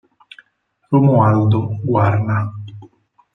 Romualdo Guarna